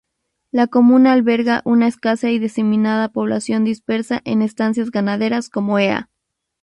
La comuna alberga una escasa y diseminada población dispersa en estancias ganaderas como Ea.